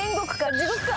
地獄か？